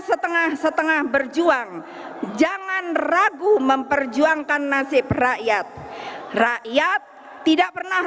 setengah setengah berjuang jangan ragu memperjuangkan nasib rakyat rakyat tidak pernah